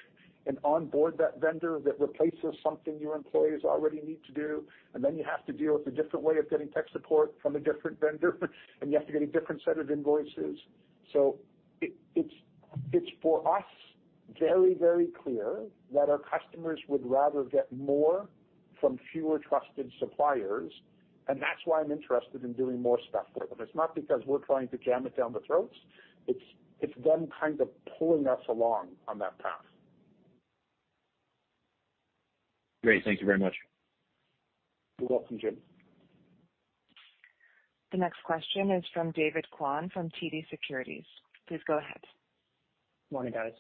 and onboard that vendor that replaces something your employees already need to do. Then you have to deal with a different way of getting tech support from a different vendor, and you have to get a different set of invoices. It's for us very, very clear that our customers would rather get more from fewer trusted suppliers, and that's why I'm interested in doing more stuff for them. It's not because we're trying to jam it down their throats. It's them kind of pulling us along on that path. Great. Thank you very much. You're welcome, Jim. The next question is from David Kwan from TD Securities. Please go ahead. Morning, guys.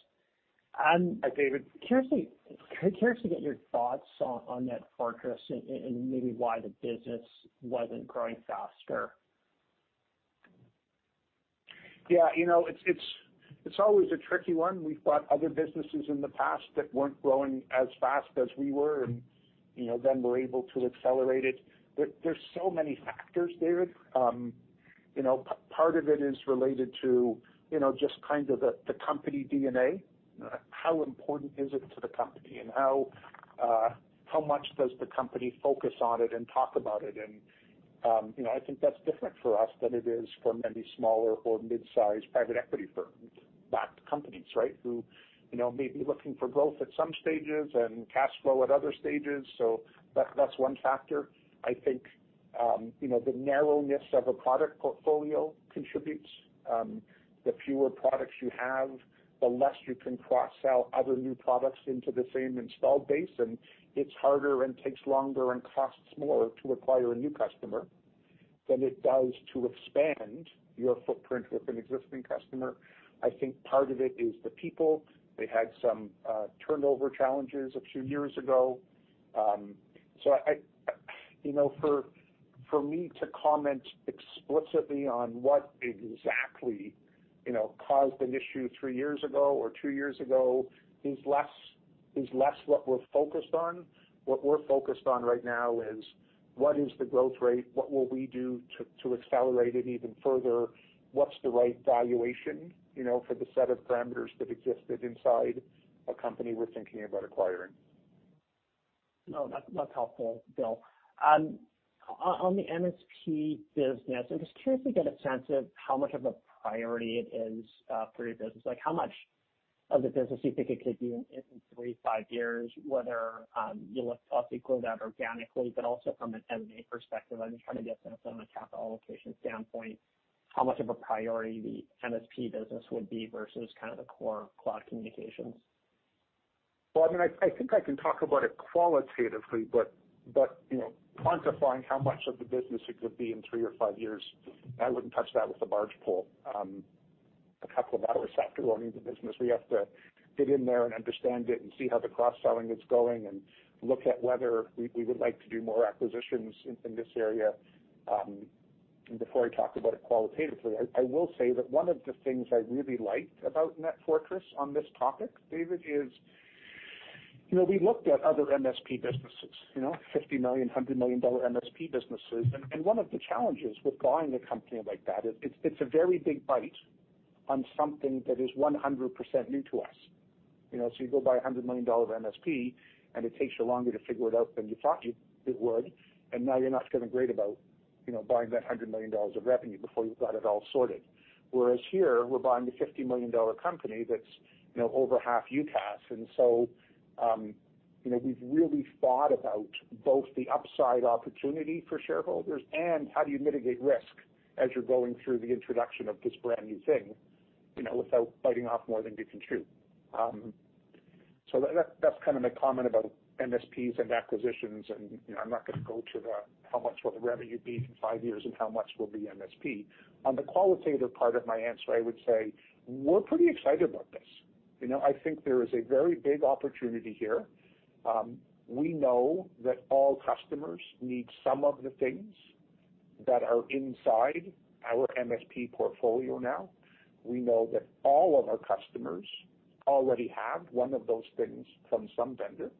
Hi, David. I'm curious to get your thoughts on NetFortris and maybe why the business wasn't growing faster. Yeah. You know, it's always a tricky one. We've bought other businesses in the past that weren't growing as fast as we were, and, you know, then we're able to accelerate it. There's so many factors, David. You know, part of it is related to, you know, just kind of the company DNA. How important is it to the company and how much does the company focus on it and talk about it? You know, I think that's different for us than it is for many smaller or mid-sized private equity firms backed companies, right? Who, you know, may be looking for growth at some stages and cash flow at other stages. That's one factor. I think, you know, the narrowness of a product portfolio contributes. The fewer products you have, the less you can cross-sell other new products into the same installed base. It's harder and takes longer and costs more to acquire a new customer than it does to expand your footprint with an existing customer. I think part of it is the people. They had some turnover challenges a few years ago. So I you know, for me to comment explicitly on what exactly, you know, caused an issue three years ago or two years ago is less what we're focused on. What we're focused on right now is what is the growth rate? What will we do to accelerate it even further? What's the right valuation, you know, for the set of parameters that existed inside a company we're thinking about acquiring? No, that's helpful, Bill. On the MSP business, I'm just curious to get a sense of how much of a priority it is for your business. Like, how much of the business do you think it could be in three to five years, whether you look to obviously grow that organically, but also from an M&A perspective, I'm just trying to get a sense of, from a capital allocation standpoint, how much of a priority the MSP business would be versus kind of the core cloud communications. Well, I mean, I think I can talk about it qualitatively, but you know, quantifying how much of the business it could be in three or five years, I wouldn't touch that with a barge pole, a couple of hours after owning the business. We have to get in there and understand it and see how the cross-selling is going and look at whether we would like to do more acquisitions in this area. Before I talk about it qualitatively, I will say that one of the things I really liked about NetFortris on this topic, David, is, you know, we looked at other MSP businesses. You know, $50 million, $100 million MSP businesses. One of the challenges with buying a company like that is it's a very big bite on something that is 100% new to us. You know, so you go buy a $100 million MSP, and it takes you longer to figure it out than you thought it would. Now you're not feeling great about, you know, buying that $100 million of revenue before you've got it all sorted. Whereas here we're buying a $50 million company that's, you know, over half UCaaS. You know, we've really thought about both the upside opportunity for shareholders and how do you mitigate risk as you're going through the introduction of this brand-new thing, you know, without biting off more than you can chew. That's kind of my comment about MSPs and acquisitions and, you know, I'm not gonna go into the how much will the revenue be in five years and how much will be MSP. On the qualitative part of my answer, I would say we're pretty excited about this. You know, I think there is a very big opportunity here. We know that all customers need some of the things that are inside our MSP portfolio now. We know that all of our customers already have one of those things from some vendor.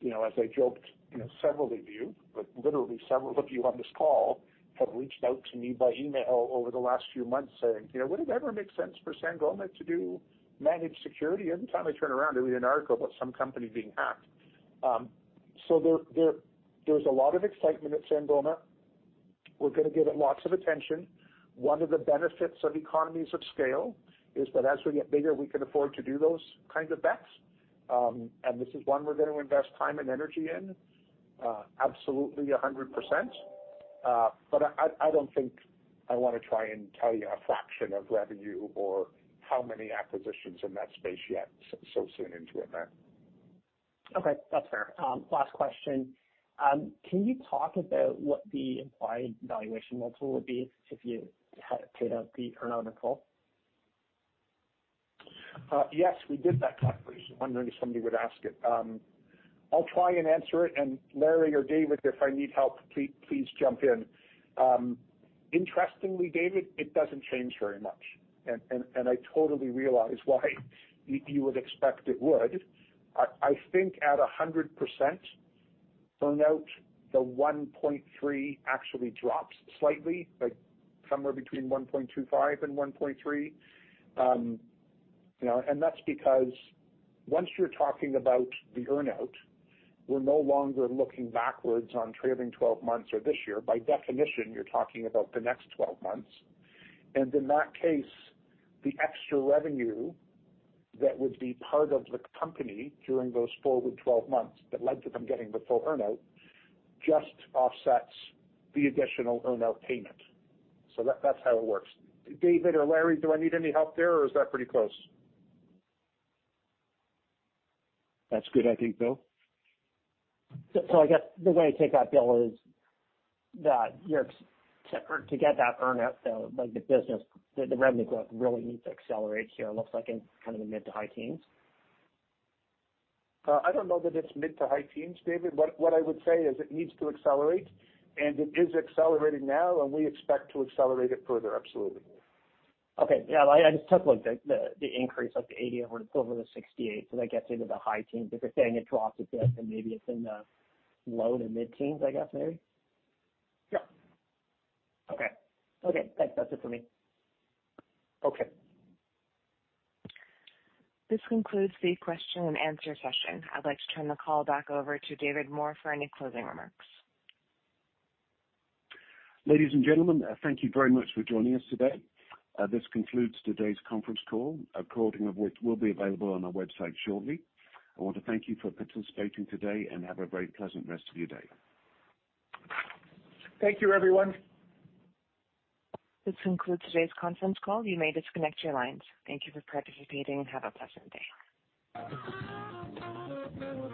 You know, as I joked, you know, several of you, but literally several of you on this call have reached out to me by email over the last few months saying, "You know, would it ever make sense for Sangoma to do managed security? Every time I turn around, there'll be an article about some company being hacked. There's a lot of excitement at Sangoma. We're gonna give it lots of attention. One of the benefits of economies of scale is that as we get bigger, we can afford to do those kinds of bets. This is one we're gonna invest time and energy in, absolutely 100%. I don't think I wanna try and tell you a fraction of revenue or how many acquisitions in that space yet so soon into it, Kwan. Okay. That's fair. Last question. Can you talk about what the implied valuation multiple would be if you had paid out the earn-out in full? Yes, we did that calculation, wondering if somebody would ask it. I'll try and answer it, and Larry or David, if I need help, please jump in. Interestingly, David, it doesn't change very much. I totally realize why you would expect it would. I think at 100% earn-out, the 1.3 actually drops slightly, like somewhere between 1.25 and 1.3. You know, and that's because once you're talking about the earn-out, we're no longer looking backwards on trailing twelve months or this year. By definition, you're talking about the next twelve months. In that case, the extra revenue that would be part of the company during those forward twelve months that led to them getting the full earn-out just offsets the additional earn-out payment. That's how it works. David or Larry, do I need any help there, or is that pretty close? That's good, I think, Bill. I guess the way to take that, Bill, is that to get that earn-out, though, like the business, the revenue growth really needs to accelerate here. It looks like it's in kind of the mid- to high teens. I don't know that it's mid- to high-teens, David. What I would say is it needs to accelerate, and it is accelerating now, and we expect to accelerate it further, absolutely. Okay. Yeah, I just took, like, the increase, like the 80 over the 68, so that gets into the high teens. If you're saying it drops a bit, then maybe it's in the low to mid teens, I guess, maybe. Yeah. Okay. Okay, thanks. That's it for me. Okay. This concludes the question-and-answer session. I'd like to turn the call back over to David Moore for any closing remarks. Ladies and gentlemen, thank you very much for joining us today. This concludes today's conference call, a recording of which will be available on our website shortly. I want to thank you for participating today, and have a very pleasant rest of your day. Thank you, everyone. This concludes today's conference call. You may disconnect your lines. Thank you for participating and have a pleasant day.